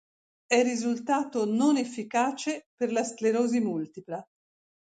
È risultato non efficace per la sclerosi multipla.